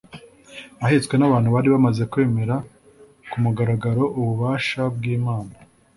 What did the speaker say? ahetswe n'abantu bari bamaze kwemera ku mugaragaro ububasha bw'imana